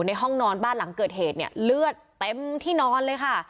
ห้องนอนบ้านหลังเกิดเหตุเนี่ยเลือดเต็มที่นอนเลยค่ะ